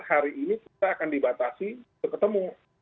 hari ini kita akan dibatasi untuk ketemu